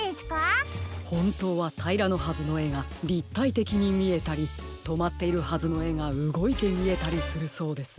ほんとうはたいらのはずのえがりったいてきにみえたりとまっているはずのえがうごいてみえたりするそうです。